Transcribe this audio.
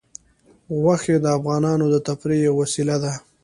غوښې د افغانانو د تفریح یوه وسیله ده.